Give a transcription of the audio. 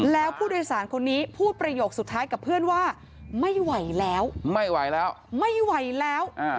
แล้วผู้โดยสารคนนี้พูดประโยคสุดท้ายกับเพื่อนว่าไม่ไหวแล้ว